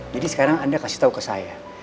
jadi sekarang anda kasih tahu ke saya